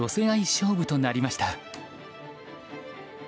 勝負となりました。